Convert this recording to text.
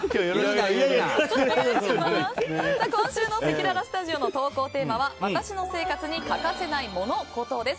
今週のせきららスタジオの投稿テーマは私の生活に欠かせないモノ・コトです。